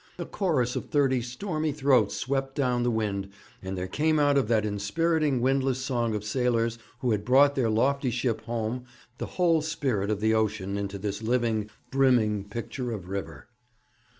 A chorus of thirty stormy throats swept down the wind, and there came out of that inspiriting windlass song of sailors who had brought their lofty ship home the whole spirit of the ocean into this living, brimming picture of river.